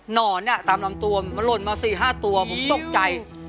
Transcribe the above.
หนอนตามลำตัวโดนมา๔๕ตัวผมตกใจ